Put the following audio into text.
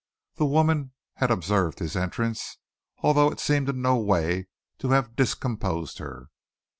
The woman had observed his entrance, although it seemed in no way to have discomposed her.